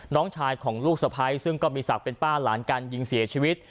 น้องชายของลูกสะพ้ายซึ่งก็มีศักดิ์เป็นป้าหลานการยิงเสียชีวิต